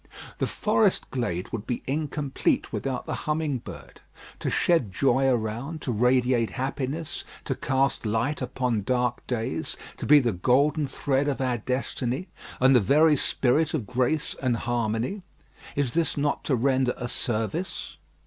The forest glade would be incomplete without the humming bird. To shed joy around, to radiate happiness, to cast light upon dark days, to be the golden thread of our destiny, and the very spirit of grace and harmony, is not this to render a service?